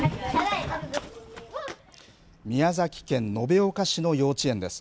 宮崎県延岡市の幼稚園です。